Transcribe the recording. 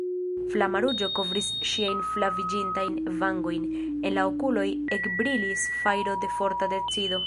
Flama ruĝo kovris ŝiajn flaviĝintajn vangojn, en la okuloj ekbrilis fajro de forta decido.